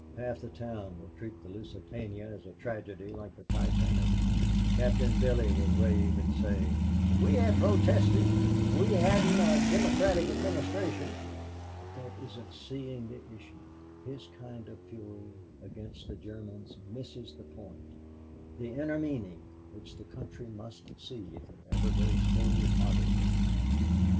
Half the town will treat the Lusitania as a tragedy like the Titanic. Captain Billy will rave and say, 'If we had protested if we hadn't a Democratic administration.' But that isn't seeing the issue his kind of fury against the Germans misses the point the inner meaning which the country must see if it ever goes whole heartedly in.